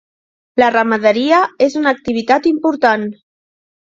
La ramaderia és una activitat important.